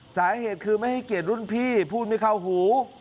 สาเหตุคือไม่ให้เกียรติรุ่นพี่พูดไม่เข้าหู